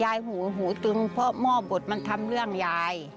หูหูตึงเพราะหม้อบทมันทำเรื่องยาย